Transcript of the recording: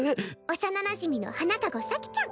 幼なじみの花籠咲ちゃん